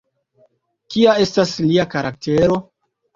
Kia estas lia karaktero?